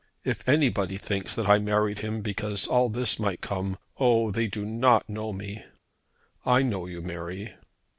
If anybody thinks that I married him because all this might come, oh, they do not know me." "I know you, Mary."